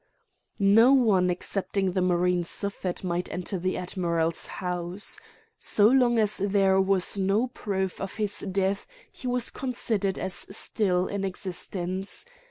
No one excepting the marine Suffet might enter the admiral's house. So long as there was no proof of his death he was considered as still in existence.